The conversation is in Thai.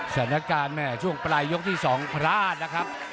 สถานการณ์แม่ช่วงปลายยกที่๒พลาดนะครับ